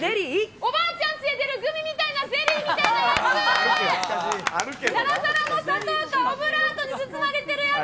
おばあちゃん持ってるグミみたいなゼリーみたいなやつ。